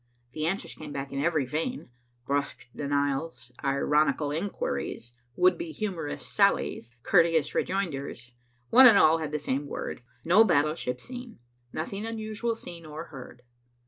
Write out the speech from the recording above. The answers came back in every vein. Brusque denials ironical inquiries would be humorous sallies courteous rejoinders one and all had the same word. No battleship seen. Nothing unusual seen or heard.